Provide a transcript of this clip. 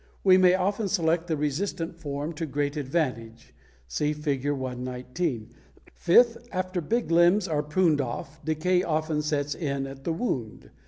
We may often select the resistant form to great advantage (see Fig. 119). Fifth, after big limbs are pruned off, decay often sets in at the wound.